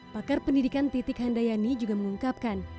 pakar pendidikan titik handayani juga mengungkapkan